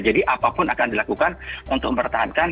jadi apapun akan dilakukan untuk mempertahankan